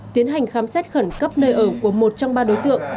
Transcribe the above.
tiến hành khám xét khẩn cấp nơi ở của một trong ba đối tượng